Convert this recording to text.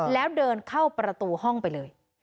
แล้วเดินเข้าประตูห้องไปเลย